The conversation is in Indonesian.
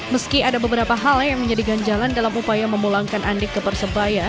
meski ada beberapa hal yang menjadi ganjalan dalam upaya memulangkan andik ke persebaya